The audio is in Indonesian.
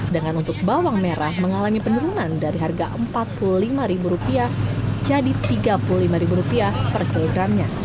sedangkan untuk bawang merah mengalami penurunan dari harga rp empat puluh lima jadi rp tiga puluh lima per kilogramnya